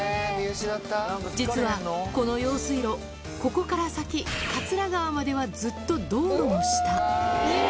実はこの用水路、ここから先、桂川まではずっと道路の下。